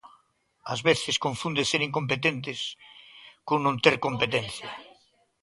A veces confunden ser incompetentes con non ter competencia.